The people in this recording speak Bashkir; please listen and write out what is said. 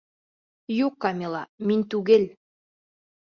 Юҡ, Камила, мин түгел...